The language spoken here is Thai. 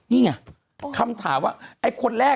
คุณหนุ่มกัญชัยได้เล่าใหญ่ใจความไปสักส่วนใหญ่แล้ว